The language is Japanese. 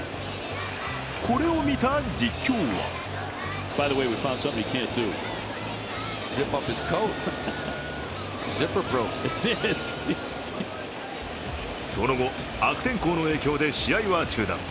これを見た実況はその後、悪天候の影響で試合は中断。